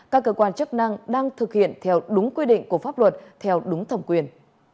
các cơ quan chức năng đang thực hiện theo đúng quy định của pháp luật theo đúng thẩm quyền